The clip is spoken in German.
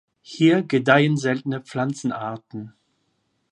Hier gedeihen seltene Pflanzenarten.